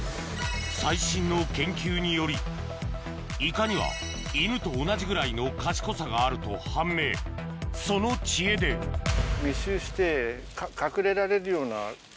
最新の研究によりイカには犬と同じぐらいの賢さがあると判明その知恵でへぇ。